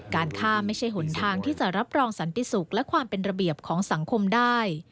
การฆ่าไม่ใช่หนทางที่จะรับรองสันติสุขและความเป็นระเบียบของสังคมได้